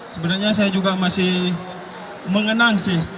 sebenarnya saya juga masih mengenang sih